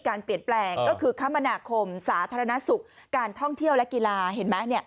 การเปลี่ยนแปลงก็คือคมนาคมสาธารณสุขการท่องเที่ยวและกีฬาเห็นไหม